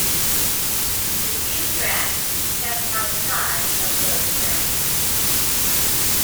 A few tracks stepped outside of those boundaries.